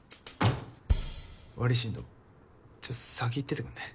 悪ぃ進藤ちょっと先行っててくんねぇ？